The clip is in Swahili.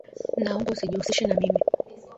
Naomba usijihusishe na mimi